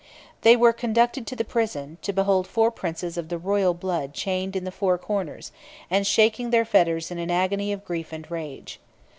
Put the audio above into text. They were conducted to the prison, to behold four princes of the royal blood chained in the four corners, and shaking their fetters in an agony of grief and rage.